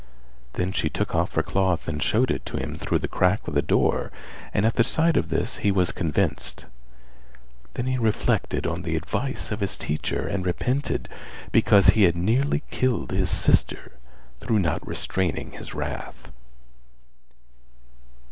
Then she took off her cloth and showed it to him through the crack of the door and at the sight of this he was convinced; then he reflected on the advice of his teacher and repented, because he had nearly killed his sister through not restraining his wrath.